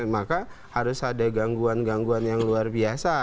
maka harus ada gangguan gangguan yang luar biasa